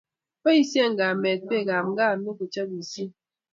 Boisie kamet pekap nganuk ko chopisie